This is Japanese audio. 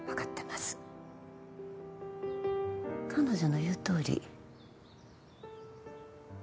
彼女の言うとおり。